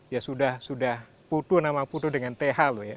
ya sudah putu dengan th loh ya